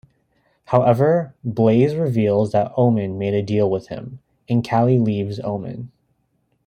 However, Blaze reveals that Omen made a deal with him, and Cally leaves Omen.